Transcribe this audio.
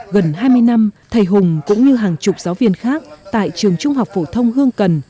gần hai mươi năm thầy hùng cũng như hàng chục giáo viên khác tại trường trung học phổ thông hương cần